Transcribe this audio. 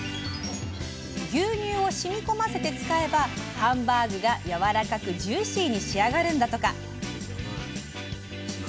牛乳を染み込ませて使えばハンバーグがやわらかくジューシーに仕上がるんだとか。